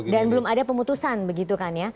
belum ada pemutusan begitu kan ya